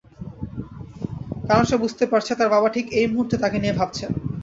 কারণ সে বুঝতে পারছে, তার বাবা ঠিক এই মুহূর্তে তাকে নিয়ে ভাবছেন।